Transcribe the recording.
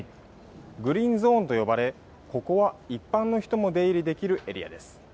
グリーンゾーンと呼ばれここは一般の人も出入りできるエリアです。